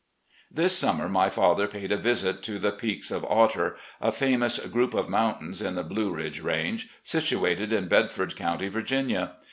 This summer my father paid a visit to the Peaks of Otter, a famous group of motmtains in the Blue Ridge range, situated in Bedford County, Virginia.